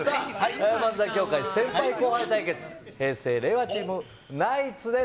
漫才協会先輩後輩対決、平成・令和チーム、ナイツです。